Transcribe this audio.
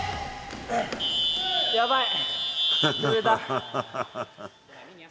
やばい。